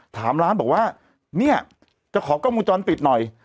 ถามร้านบอกว่าเนี่ยจะขอกล้องมูลจรปิดหน่อย